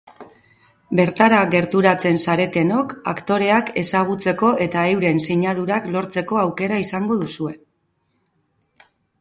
Bertara gerturatzen zaretenok aktoreak ezagutzeko eta euren sinadurak lortzeko aukera izango duzue.